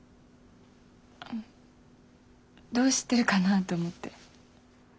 どうしてるかなと思って。